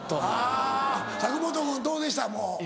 あぁ佐久本君どうでした？